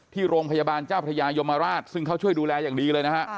ที่โรงพยาบาลเจ้าพระยายมราชซึ่งเขาช่วยดูแลอย่างดีเลยนะฮะ